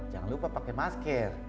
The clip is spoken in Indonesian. jangan lupa pakai masker